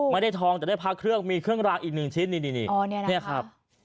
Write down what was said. ไม่ได้ทองแต่ได้พระเครื่องมีเครื่องรางอีกหนึ่งชิ้นนี่ครับ